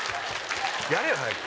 やれよ！早く。